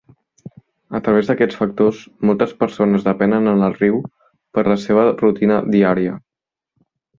A través d'aquests factors, moltes persones depenen en el riu per la seva rutina diària.